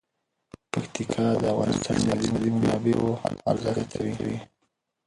پکتیکا د افغانستان د اقتصادي منابعو ارزښت زیاتوي.